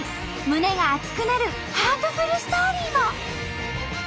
胸が熱くなるハートフルストーリーも。